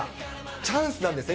チャンスなんですね？